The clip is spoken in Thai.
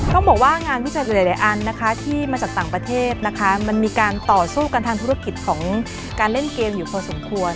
ต้องบอกว่างานวิจัยหลายอันนะคะที่มาจากต่างประเทศนะคะมันมีการต่อสู้กันทางธุรกิจของการเล่นเกมอยู่พอสมควร